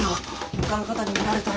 ほかの方に見られたら。